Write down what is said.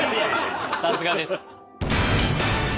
さすがです。